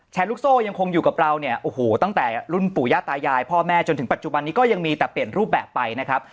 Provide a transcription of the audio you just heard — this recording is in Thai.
ลูกโซ่ยังคงอยู่กับเราเนี่ยโอ้โหตั้งแต่รุ่นปู่ย่าตายายพ่อแม่จนถึงปัจจุบันนี้ก็ยังมีแต่เปลี่ยนรูปแบบไปนะครับ